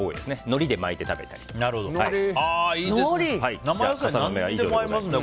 のりで巻いて食べたりとか。